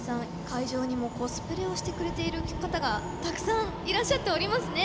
会場にもコスプレをしてくれている方がたくさんいらっしゃっておりますね。